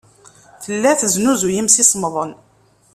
Tella tesnuzuy imsisemḍen.